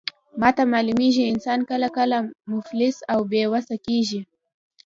ماته معلومیږي، انسان کله کله مفلس او بې وسه کیږي.